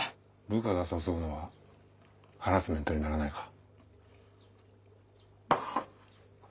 部下が誘うのはハラスメントにならないか。